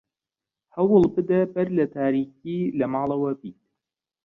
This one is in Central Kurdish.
هەوڵ بدە بەر لە تاریکی لە ماڵەوە بیت.